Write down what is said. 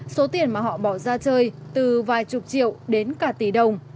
số tiền mà họ bỏ ra chơi từ vài chục triệu đến cả tỷ đồng